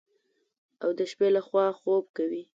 او د شپې لخوا خوب کوي.